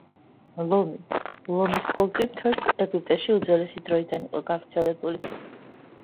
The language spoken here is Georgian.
ლომი – ლომის კულტი მთელ ეგვიპტეში უძველესი დროიდან იყო გავრცელებული.